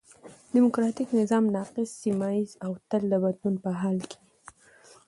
ډيموکراټ نظام ناقص، سمیه ييز او تل د بدلون ښکار یي.